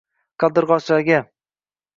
Qaldirg’ochlarga